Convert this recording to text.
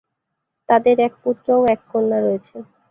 তাদের এক পুত্র ও এক কন্যা রয়েছে।